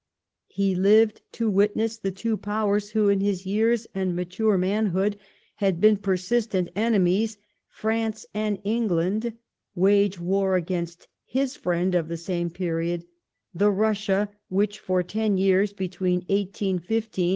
He lived to witness the two Powers, who in his years and mature manhood had been persistent enemies, France and England, wage war against his friend of the same period, the Russia which, for the ten years between 1815 CONCLUSION.